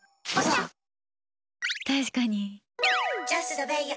確かに。